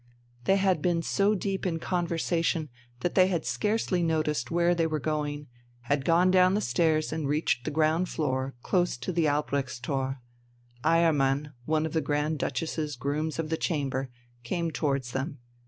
They had been so deep in conversation that they had scarcely noticed where they were going, had gone down the stairs and reached the ground floor, close to the Albrechtstor. Eiermann, one of the Grand Duchess's grooms of the chamber, came towards them.